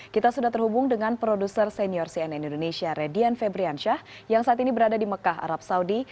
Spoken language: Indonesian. kita sudah terhubung dengan produser senior cnn indonesia radian febriansyah yang saat ini berada di mekah arab saudi